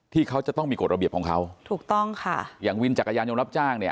ที่เขาจะต้องมีกฎระเบียบของเขาถูกต้องค่ะอย่างวินจักรยานยนต์รับจ้างเนี่ย